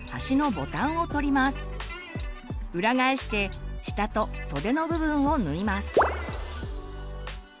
裏返して下と袖の部分を縫います。